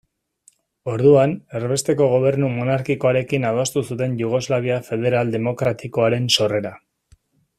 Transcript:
Orduan, erbesteko gobernu monarkikoarekin adostu zuten Jugoslavia Federal Demokratikoaren sorrera.